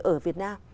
ở việt nam